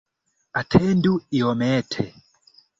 Atendu iomete!